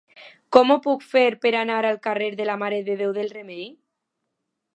Com ho puc fer per anar al carrer de la Mare de Déu del Remei?